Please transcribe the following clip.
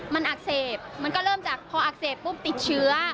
มันอักเสบมันก็เริ่มจากพออักเสบปุ๊บติดเชื้อ